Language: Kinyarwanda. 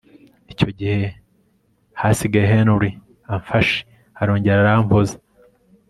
icyo gihe nasigaye Henry amfashe arongera arampoza